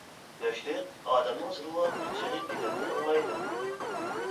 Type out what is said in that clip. «ياشلىق ئادەمنىڭ زىلۋا بىر چېغى» دېگەننى ئاڭلايلى.